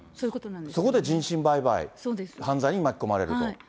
そこで人身売買、販売に巻き込まれると。